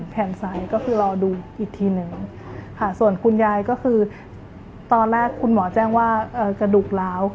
แขนซ้ายก็คือรอดูอีกทีหนึ่งค่ะส่วนคุณยายก็คือตอนแรกคุณหมอแจ้งว่ากระดูกล้าว